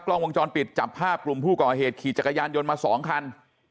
กล้องวงจรปิดจับภาพกลุ่มผู้ก่อเหตุขี่จักรยานยนต์มา๒คัน